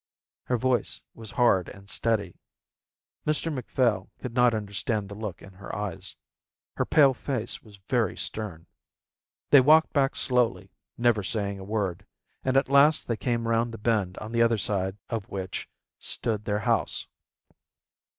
Her voice was hard and steady. Dr Macphail could not understand the look in her eyes. Her pale face was very stern. They walked back slowly, never saying a word, and at last they came round the bend on the other side of which stood their house.